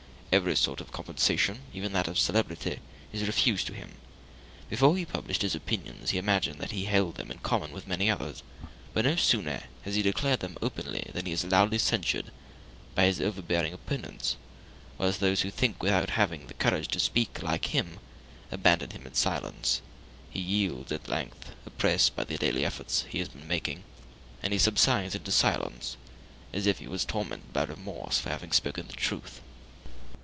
Every sort of compensation, even that of celebrity, is refused to him. Before he published his opinions he imagined that he held them in common with many others; but no sooner has he declared them openly than he is loudly censured by his overbearing opponents, whilst those who think without having the courage to speak, like him, abandon him in silence. He yields at length, oppressed by the daily efforts he has been making, and he subsides into silence, as if he was tormented by remorse for having spoken the truth.